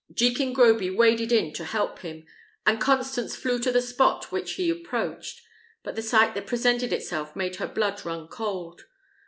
Jekin Groby waded in to help him, and Constance flew to the spot which he approached; but the sight that presented itself made her blood run cold.